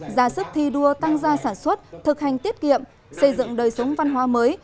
ra sức thi đua tăng gia sản xuất thực hành tiết kiệm xây dựng đời sống văn hóa mới